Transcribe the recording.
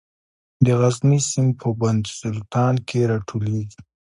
د غزني سیند په بند سلطان کې راټولیږي